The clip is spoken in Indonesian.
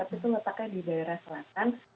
itu letaknya di daerah selatan